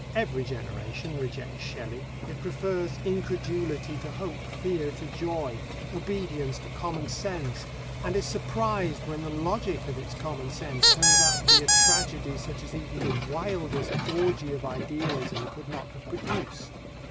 Every generation rejects Shelley; it prefers incredulity to hope, fear to joy, obedience to common sense, and is surprised when the logic of its common sense turns out to be a tragedy such as even the wildest orgy of idealism could not have produced.